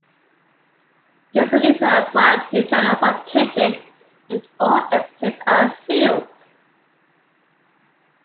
These witnesses are brought to Janoth Publications and all exits are sealed.